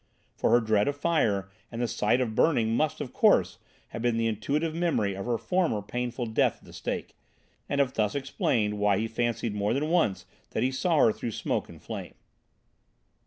For her dread of fire and the sight of burning must, of course, have been the intuitive memory of her former painful death at the stake, and have thus explained why he fancied more than once that he saw her through smoke and flame."